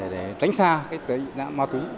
để tránh xa cái tội nghiệm ma túy